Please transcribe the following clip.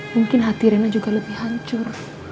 mungkin hati rina juga lebih hancur